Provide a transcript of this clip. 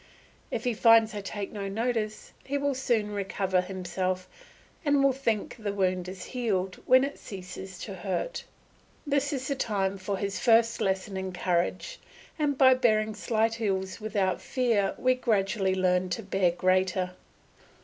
If he finds I take no notice, he will soon recover himself, and will think the wound is healed when it ceases to hurt. This is the time for his first lesson in courage, and by bearing slight ills without fear we gradually learn to bear greater.